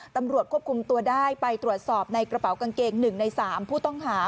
ตำรวจควบคุมตัวได้ไปตรวจสอบในกระเป๋ากางเกง๑ใน๓ผู้ต้องหา